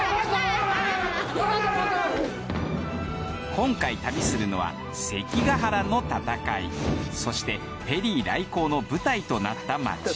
今回旅するのはそしてペリー来航の舞台となった街。